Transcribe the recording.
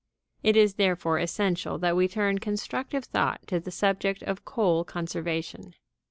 It is therefore essential that we turn constructive thought to the subject of coal conservation.